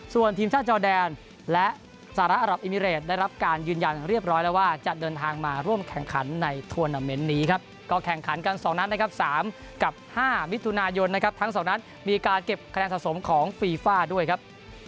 ส่วนทีมชาติจอแดนและสหรัฐอรับอิมิเรตได้รับการยืนยันเรียบร้อยแล้วว่าจะเดินทางมาร่วมแข่งขันในทวนาเมนต์นี้ครับก็แข่งขันกัน๒นัดนะครับ๓กับ๕มิถุนายนนะครับทั้งสองนัดมีการเก็บคะแนนสะสมของฟีฟ่าด้วยครับ